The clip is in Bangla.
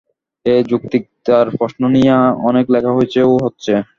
এর যৌক্তিকতার প্রশ্ন নিয়ে অনেক লেখা হয়েছে ও হচ্ছে।